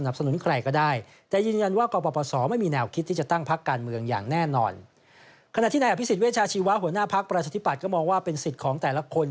พรรชธิปัตย์ก็มองว่าเป็นสิทธิ์ของแต่ละคน